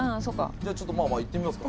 ちょっとまあまあ行ってみますか。